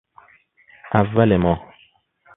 اول ماه